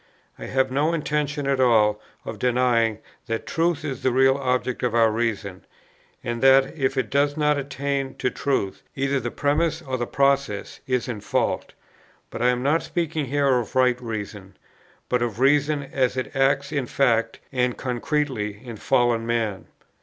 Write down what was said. I have no intention at all of denying, that truth is the real object of our reason, and that, if it does not attain to truth, either the premiss or the process is in fault; but I am not speaking here of right reason, but of reason as it acts in fact and concretely in fallen man.